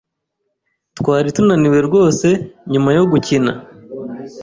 Twari tunaniwe rwose nyuma yo gukina.